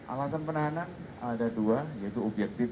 alasan penahanan ada dua yaitu objektif